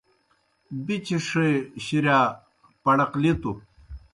بِچݜے شِریا پڑقلِتوْ